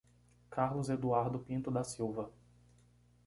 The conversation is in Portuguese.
Carlos Eduardo Pinto da Silva